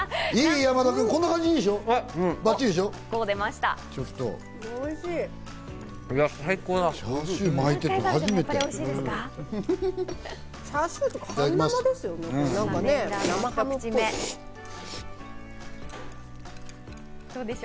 山田君、こんな感じでいいでしょ？